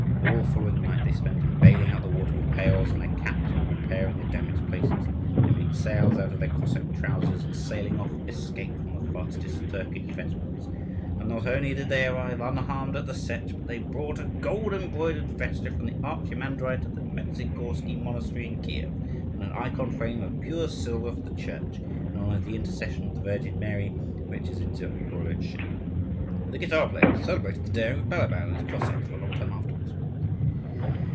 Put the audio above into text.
All the following night they spent in baling out the water with pails and their caps, and in repairing the damaged places. They made sails out of their Cossack trousers, and, sailing off, escaped from the fastest Turkish vessels. And not only did they arrive unharmed at the Setch, but they brought a gold embroidered vesture for the archimandrite at the Mezhigorsky Monastery in Kief, and an ikon frame of pure silver for the church in honour of the Intercession of the Virgin Mary, which is in Zaporozhe. The guitar players celebrated the daring of Balaban and his Cossacks for a long time afterwards.